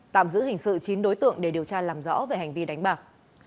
tạm giữ hình sự chín đối tượng để điều tra làm rõ về hành vi đánh bạc